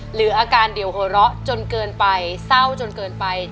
หรืออาการเดี๋ยวหัวเราะจนเกินไปเศร้าจนเกินไป